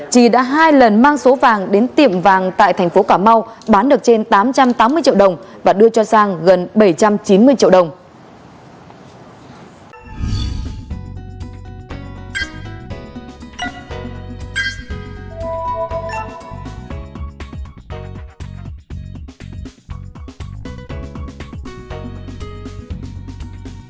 chi đã hai lần mang số vàng đến tiệm vàng tại thành phố cả mau bán được trên tám trăm tám mươi triệu đồng và đưa cho sang gần bảy trăm chín mươi triệu đồng